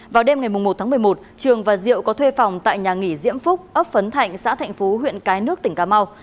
vào đêm ngày một tháng một mươi một trường và diệu có thuê phòng tại nhà nghỉ diễm phúc ấp phấn thạnh xã thạnh phú huyện cái nước tỉnh cà mau